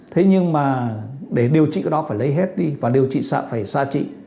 thế nhưng mà để điều trị cái đó phải lấy hết đi và điều trị xạ phải xa trị